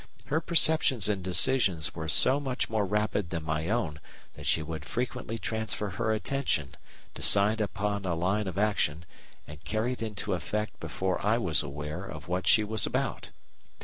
Her perceptions and decisions were so much more rapid than my own that she would frequently transfer her attention, decide upon a line of action, and carry it into effect before I was aware of what she was about.